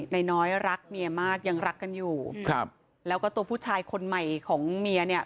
น้อยรักเมียมากยังรักกันอยู่ครับแล้วก็ตัวผู้ชายคนใหม่ของเมียเนี่ย